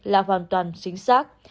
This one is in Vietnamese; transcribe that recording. là hoàn toàn chính xác